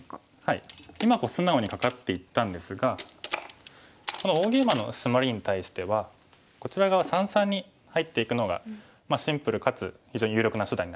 今素直にカカっていったんですがこの大ゲイマのシマリに対してはこちら側三々に入っていくのがシンプルかつ非常に有力な手段になりますね。